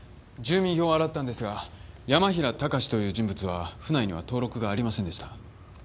住民票を洗ったんですが山平隆志という人物は府内には登録がありませんでした。